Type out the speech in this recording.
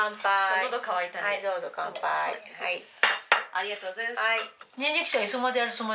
ありがとうございます。